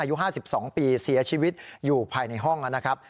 อายุ๕๒ปีเสียชีวิตอยู่ภายในห้องนะครับ